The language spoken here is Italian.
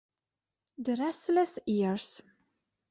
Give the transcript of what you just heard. The Restless Years